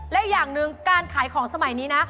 และอย่างหนึ่งการขายของสมัยนี้นะ